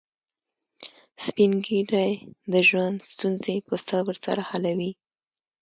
سپین ږیری د ژوند ستونزې په صبر سره حلوي